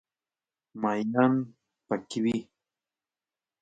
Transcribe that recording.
ماهیان پکې وي.